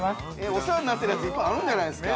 ◆お世話になってるやついっぱいあるんじゃないですか。